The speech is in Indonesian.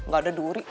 gak ada duri